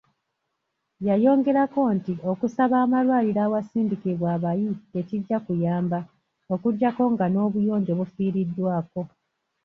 Yayongerako nti okusaba amalwaliro awasindikibwa abayi tekijja kuyamba okugyako nga n'obuyonjo bufiiriddwako.